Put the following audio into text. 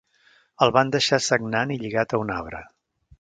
El van deixar sagnant i lligat a un arbre.